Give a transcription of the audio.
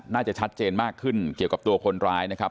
น่าจะชัดเจนมากขึ้นเกี่ยวกับตัวคนร้ายนะครับ